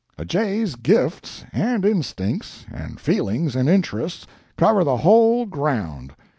A jay's gifts, and instincts, and feelings, and interests, cover the whole ground.